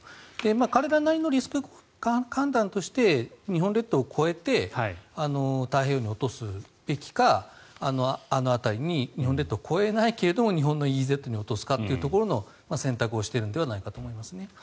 彼らなりのリスク判断として日本列島を越えて太平洋に落とすべきかあの辺りに日本列島を越えないけども日本のＥＥＺに落とすかというところの選択をしているのではないかと思いますね。